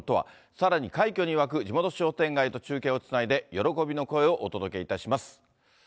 さらに快挙に沸く地元商店街と中継をつないで、喜びの声をお届けいたします。